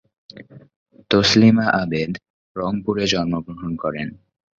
তসলিমা আবেদ রংপুরে জন্মগ্রহণ করেন।